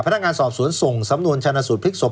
พนักงานสอบสวนส่งสำนวนชนะสูตรพลิกศพ